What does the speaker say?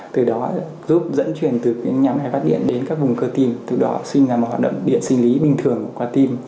từ đó giúp dẫn truyền từ những nhà máy phát điện đến các vùng cơ tim từ đó sinh ra một hoạt động điện sinh lý bình thường của cơ tim